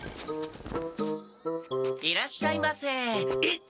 いらっしゃいませえっ！？